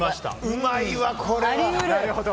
うまいわ、これは。